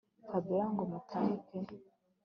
Fabiora ngo mutahe pe